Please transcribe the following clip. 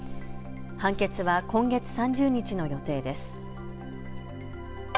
判決は今月３０日の予定です。